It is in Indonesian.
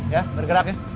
ya bergerak ya